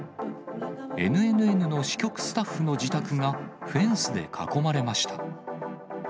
ＮＮＮの支局スタッフの自宅が、フェンスで囲まれました。